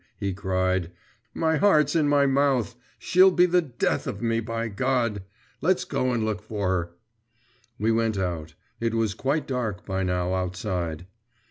he cried. 'My heart's in my mouth. She'll be the death of me, by God!… Let's go and look for her.' We went out. It was quite dark by now, outside.